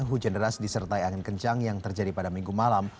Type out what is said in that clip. hujan deras disertai angin kencang yang terjadi pada minggu malam